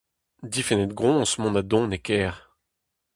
Difennet-groñs mont ha dont e kêr.